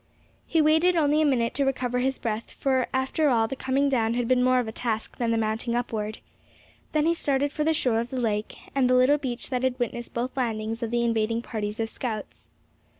He waited only a minute to recover his breath, for after all the coming down had been more of a task than the mounting upward. Then he started for the shore of the lake, and the little beach that had witnessed both landings of the invading parties of scouts.